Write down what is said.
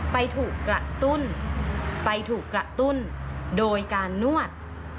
ไปถูกกระตุ้นโดยการนวด